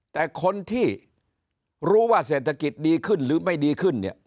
แต่คนที่รู้ว่าเศรษฐกิจดีขึ้นหรือไม่ดีขึ้นเนี่ย